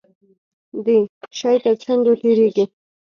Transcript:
د شی تر څنډو تیریږي.